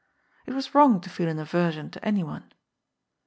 It was wrong to feel an ayersion to any one.